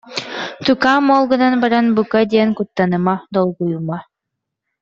Тукаам, ол гынан баран, бука диэн куттаныма, долгуйума